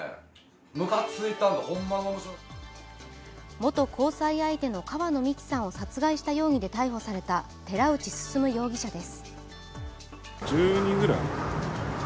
元交際相手の川野美樹さんを殺害した容疑で逮捕された寺内進容疑者です。